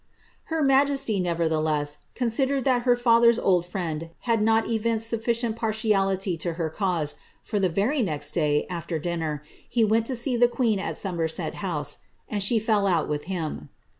Her majesty, nevertheless, considered that her father's old friend luul not evinced sufiicient partiality to her cause ; for the very next day, after dinner, he. went to see the queen at Somerset House, ^ and she fell out with him."